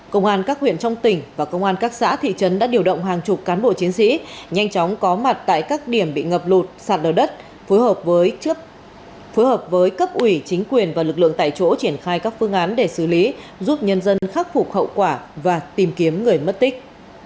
công an các huyện trong tỉnh và công an các xã thị trấn đã điều động hàng chục cán bộ chiến sĩ nhanh chóng có mặt tại các điểm bị ngập lụt sạt lở đất phối hợp với cấp ủy chính quyền và lực lượng tại chỗ triển khai các phương án để xử lý giúp nhân dân khắc phục hậu quả và tìm kiếm người mất tích